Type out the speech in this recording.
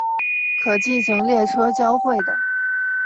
可进行列车交会的。